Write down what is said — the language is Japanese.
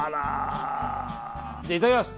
いただきます。